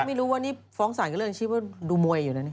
ไม่รู้ว่านี่ฟ้องศาลกับเรื่องอาชีพว่าดูมวยอยู่นะนี่